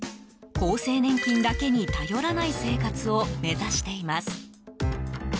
厚生年金だけに頼らない生活を目指しています。